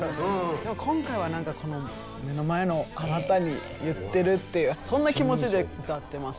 でも今回は何かこの目の前のあなたに言ってるっていうそんな気持ちで歌ってます。